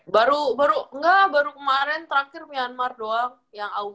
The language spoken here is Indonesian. baru baru enggak baru kemarin terakhir myanmar doang yang au